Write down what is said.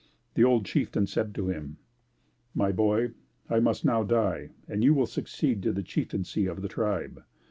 The old chieftain said to him, "My boy, I must now die and you will succeed to the chieftaincy of the tribe.